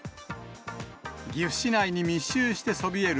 岐阜市内に密集してそびえる